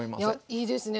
いいですね。